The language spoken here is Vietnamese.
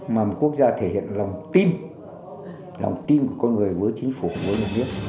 mà một quốc gia thể hiện lòng tin lòng tin của con người với chính phủ với một nước